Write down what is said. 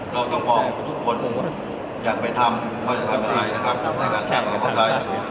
เราต้องบอกทุกคนอยากไปทำเขาจะทำอะไรนะครับในการแช่งความเข้าใจ